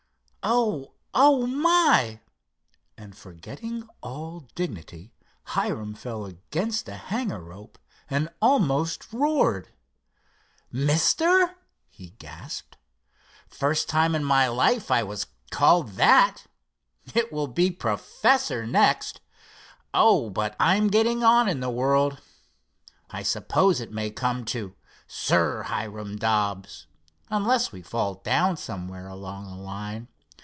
O oh, my!" and, forgetting all dignity, Hiram fell against a hangar rope and almost roared. "'Mister!'" he gasped. "First time in my life I was called that. It will be 'Professor' next. Oh, but I'm getting on in the world. I suppose it may come to 'Sir Hiram Dobbs,' unless we fall down somewhere along the line.